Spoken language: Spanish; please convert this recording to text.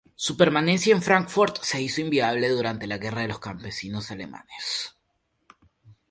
Su permanencia en Fráncfort se hizo inviable durante la Guerra de los campesinos alemanes.